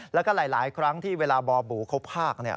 แล้วก็หลายครั้งที่เวลาบอบูเขาพากเนี่ย